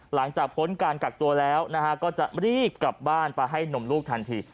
หลังจากพ้นการกักตัวแล้วก็จะรีบกลับบ้านไปให้นมลูกทันที